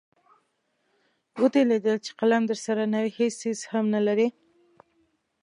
ودې لیدل چې که قلم درسره نه وي هېڅ څیز هم نلرئ.